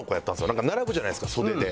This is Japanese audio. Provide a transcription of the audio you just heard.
なんか並ぶじゃないですか袖で。